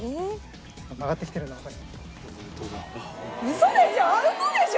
嘘でしょ？